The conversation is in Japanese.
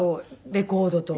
レコードと。